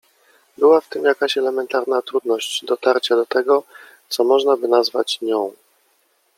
Była w tym jakaś elementarna trudność dotarcia do tego, co można by nazwać „nią”.